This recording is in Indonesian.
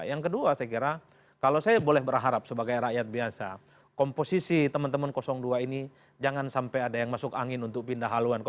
yang kedua saya kira kalau saya boleh berharap sebagai rakyat biasa komposisi teman teman dua ini jangan sampai ada yang masuk angin untuk pindah haluan